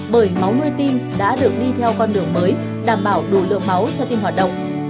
bởi máu nuôi tim đã được đi theo con đường mới đảm bảo đủ lượng máu cho tim hoạt động